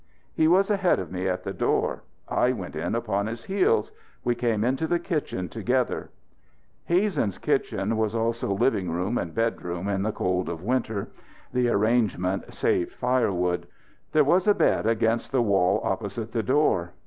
He was ahead of me at the door; I went in upon his heels. We came into the kitchen together. Hazen's kitchen was also living room and bedroom in the cold of winter. The arrangement saved firewood. There was a bed against the wall opposite the door.